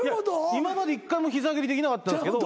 今まで一回も膝蹴りできなかったんですけど。